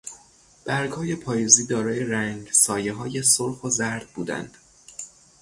برگهای پاییزی دارای رنگسایههای سرخ و زرد بودند.